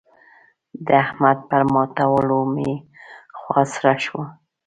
د احمد پر ماتولو مې خوا سړه شوه.